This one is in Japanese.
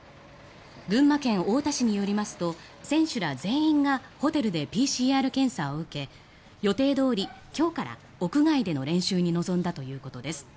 群馬県太田市によりますと選手ら全員がホテルでＰＣＲ検査を受け予定どおり今日から屋外での練習に臨んだということです。